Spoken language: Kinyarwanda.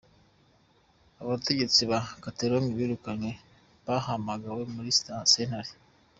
Abategetsi ba Catalogne birukanywe bahamagawe muri sentare.